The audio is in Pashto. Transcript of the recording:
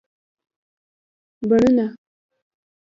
بڼونه